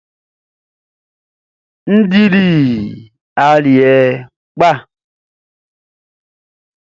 N dili aliɛ kpa.